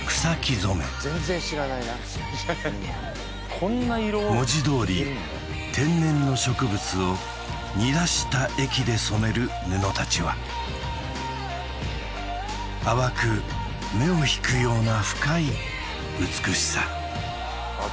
染め全然知らないなこんな色文字どおり天然の植物を煮出した液で染める布たちは淡く目を引くような深い美しさああ